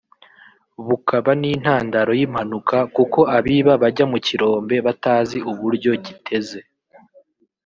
bukaba n’intandaro y’impanuka kuko abiba bajya mu kirombe batazi uburyo giteze